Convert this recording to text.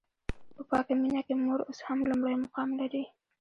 په پاکه مینه کې مور اوس هم لومړی مقام لري.